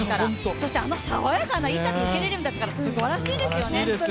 そして、あの爽やかなインタビュー受けれるんですから、すばらしいですよね。